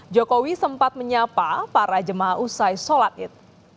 jokowi sempat menyapa para jemaah usai sholat id